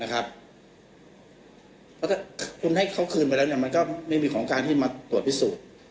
แล้วก็คุณให้เขาคืนไปแล้วมันก็ไม่มีของการที่มาตรวจพิสูจน์